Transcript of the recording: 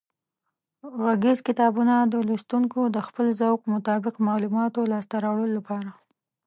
غږیز کتابونه د لوستونکو د خپل ذوق مطابق معلوماتو لاسته راوړلو لپاره